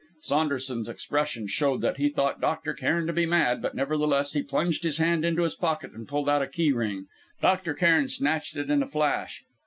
Saunderson's expression showed that he thought Dr. Cairn to be mad, but nevertheless he plunged his hand into his pocket and pulled out a key ring. Dr. Cairn snatched it in a flash.